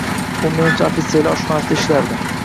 U menimcha ofitserlar oshxonasida ishlardi